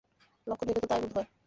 লক্ষণ দেখে তো তাই বোধ হয়।